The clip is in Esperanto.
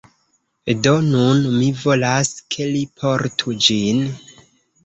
Do nun mi volas, ke li portu ĝin.